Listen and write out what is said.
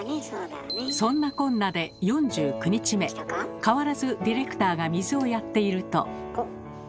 そんなこんなで４９日目変わらずディレクターが水をやっていると。